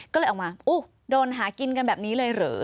ก็เลยออกมาโดนหากินกันแบบนี้เลยเหรอ